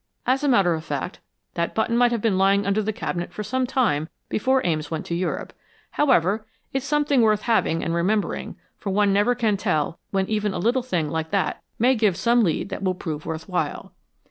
As a matter of fact, that button might have been lying under the cabinet for some time before Ames went to Europe. However, it's something worth having and remembering, for one never can tell when even a little thing like that may give some lead that would prove worth while."